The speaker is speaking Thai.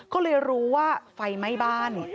ก็เลยรู้ว่าไฟไหม้บ้าน